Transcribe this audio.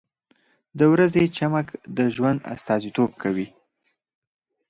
• د ورځې چمک د ژوند استازیتوب کوي.